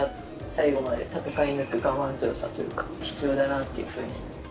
最後まで戦い抜く我慢強さというか必要だなというふうに。